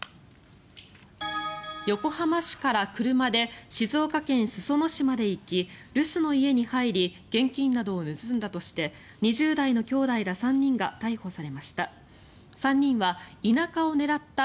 横浜市から車で静岡県裾野市まで行き留守の家に入り現金などを盗んだとして２０代の兄弟ら３人が逮捕されました。